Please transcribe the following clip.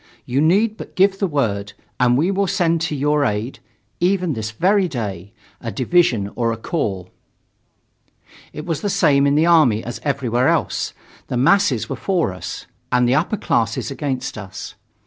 You need but give the word, and we will send to your aid even this very day a division or a corps." It was the same in the army as everywhere else; the masses were for us, and the upper classes against us.